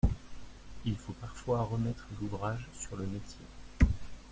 Il faut parfois remettre l’ouvrage sur le métier.